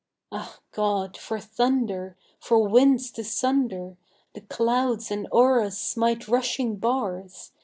Ah, God! for thunder! for winds to sunder The clouds and o'er us smite rushing bars!